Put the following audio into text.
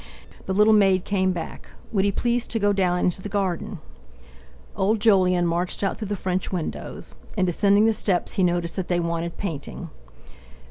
The little maid came back. Would he please to go down into the garden? Old Jolyon marched out through the French windows. In descending the steps he noticed that they wanted painting.